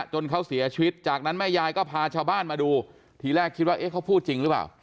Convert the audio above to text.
จนเขาเสียชีวิตจากนั้นแม่ยายก็พาชาวบ้านมาดูทีแรกคิดว่าเอ๊ะเขาพูดจริงหรือเปล่า